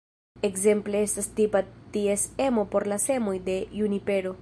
Ekzemple estas tipa ties emo por la semoj de junipero.